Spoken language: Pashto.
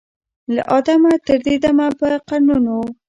له آدمه تر دې دمه په قرنونو